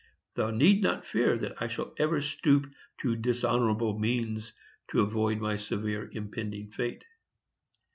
Thou need not fear that I shall ever stoop to dishonorable means to avoid my severe impending fate.